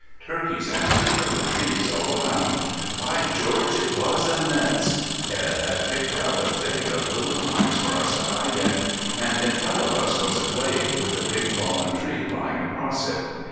Turkeys answered from the trees all around. By George, it was immense! Edd had picked out a thicket of little pines for us to hide in, and in front of us was a glade with a big fallen tree lying across it.